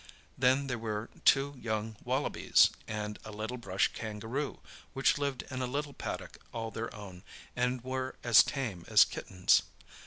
Then there were two young wallabies and a little brush kangaroo, which lived in a little paddock all their own, and were as tame as kittens.